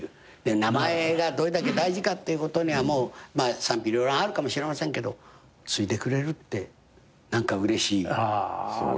名前がどれだけ大事かってことには賛否両論あるかもしれませんけど継いでくれるって何かうれしい。